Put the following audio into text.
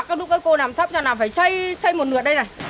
các đứa cô nằm thấp cho nằm phải xây một lượt đây này